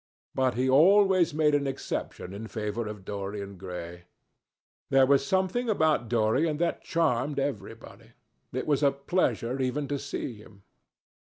But he always made an exception in favour of Dorian Gray. There was something about Dorian that charmed everybody. It was a pleasure even to see him.